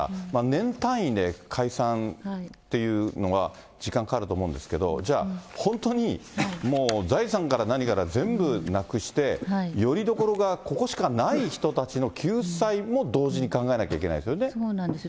年単位で解散っていうのが時間かかると思うんですけど、じゃあ本当に、もう財産から何から全部なくして、よりどころがここしかない人たちの救済も同時に考えなきゃいけなそうなんですよ。